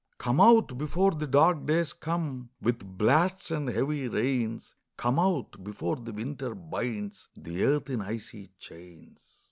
Come out, before the dark days come, With blasts and heavy rains : Come out, before the winter binds The earth in icy chains.